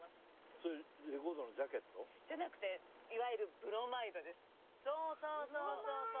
それレコードのジャケット？じゃなくていわゆるそうそうそうそう！